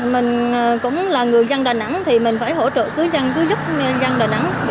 mình cũng là người dân đà nẵng thì mình phải hỗ trợ cứ dân cứ giúp dân đà nẵng